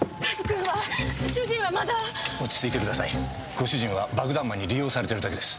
ご主人は爆弾魔に利用されてるだけです。